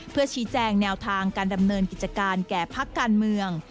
เพื่อชี้แจงแนวทางการดำเนินกิจการแก่พักการเมือง